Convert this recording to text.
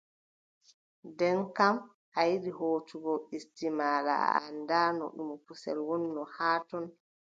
Nden kam a yiɗi hoocugo ɗisdi maaɗa, a anndaano ɗum kusel wonno haa ton.